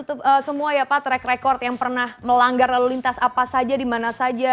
oke jadi bakal kecatat semua ya pak track record yang pernah melanggar lalu lintas apa saja di mana saja